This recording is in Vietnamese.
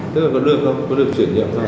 tức là có được không có được chuyển nhượng không